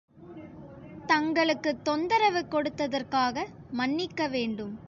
தங்களுக்கு தொந்தரவு கொடுத்தற்காக மன்னிக்க வேண்டும்.